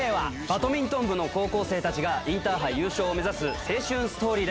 バドミントン部の高校生たちがインターハイ優勝を目指す青春ストーリー。